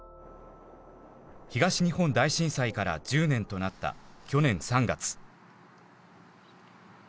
東日本大震災から１０年となった去年３月。